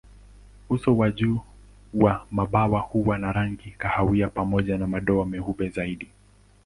Uso wa juu wa mabawa huwa na rangi kahawia pamoja na madoa meupe zaidi.